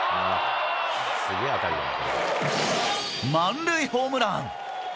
満塁ホームラン！